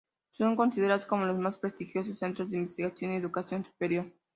Son considerados como los más prestigiosos centros de investigación y educación superior.